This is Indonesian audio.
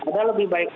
padahal lebih baik